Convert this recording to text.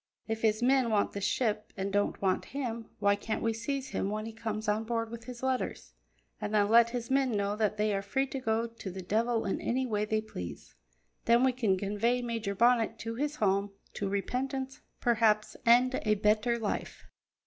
If his men want his ship and don't want him, why can't we seize him when he comes on board with his letters, and then let his men know that they are free to go to the devil in any way they please? Then we can convey Major Bonnet to his home, to repentance, perhaps, and a better life."